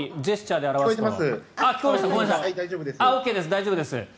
大丈夫です。